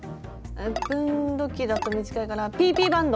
分度器だと短いからＰＰバンド！